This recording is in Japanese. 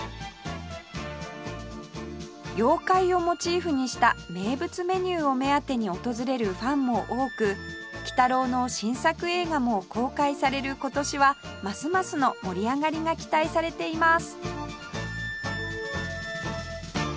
妖怪をモチーフにした名物メニューを目当てに訪れるファンも多く『鬼太郎』の新作映画も公開される今年はますますの盛り上がりが期待されています